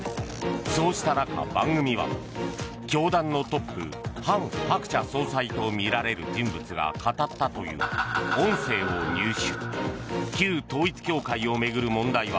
そうした中、番組は教団のトップ韓鶴子総裁とみられる人物が語ったという音声を入手。